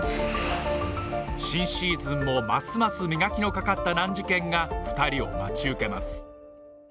新シーズンもますます磨きのかかった難事件が２人を待ち受けます